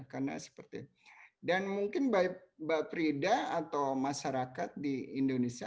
karena seperti dan mungkin mbak prida atau masyarakat di indonesia